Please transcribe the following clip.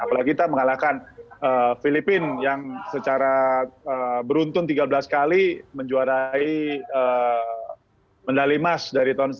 apalagi kita mengalahkan filipina yang secara beruntun tiga belas kali menjuarai medali emas dari tahun seribu sembilan ratus